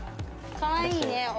かわいいね。